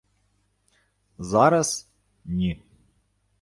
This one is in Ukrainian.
— Зараз... ні.